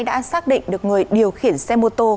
đã xác định được người điều khiển xe mô tô